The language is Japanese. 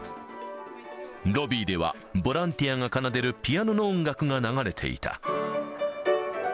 ロビーでは、ボランティアが奏でるピアノの音楽が流れていた。